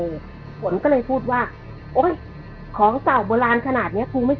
หลวงก็เลยพูดว่าโอ๊ยของเสาร์โบราณขนาดนี้นี่ไปเลย